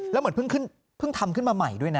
แล้วเหมือนเพิ่งทำขึ้นมาใหม่ด้วยนะ